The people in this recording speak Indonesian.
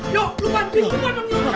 yuk lu bantuin gue pohon